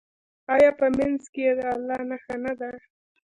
آیا په منځ کې یې د الله نښه نه ده؟